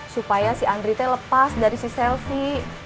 supaya si andri teh lepas dari si selvi